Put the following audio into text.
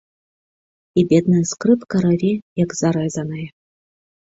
І бедная скрыпка раве, як зарэзаная.